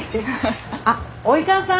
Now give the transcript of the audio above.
あっ及川さん。